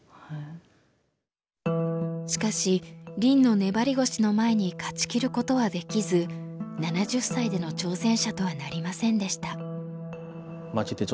しかし林の粘り腰の前に勝ちきることはできず７０歳での挑戦者とはなりませんでした。